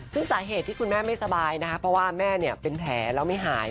ซึ่งสาเหตุที่คุณแม่ไม่สบายนะคะเพราะว่าแม่เป็นแผลแล้วไม่หาย